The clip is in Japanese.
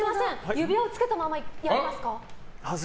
指輪をつけたままやりますか？